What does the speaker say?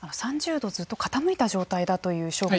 ３０度ずっと傾いた状態だったという証言。